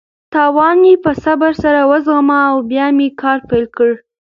تاوان مې په صبر سره وزغمه او بیا مې کار پیل کړ.